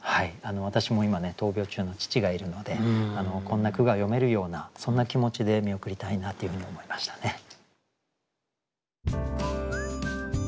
私も今闘病中の父がいるのでこんな句が詠めるようなそんな気持ちで見送りたいなというふうに思いましたね。